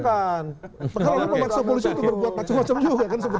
kalau lu paksa polisi itu berbuat macam macam yuk